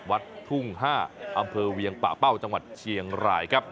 วัดทุ่ง๕อำเภอเวียงป่าเป้าจังหวัดเชียงรายครับ